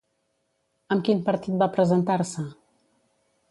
Amb quin partit va presentar-se?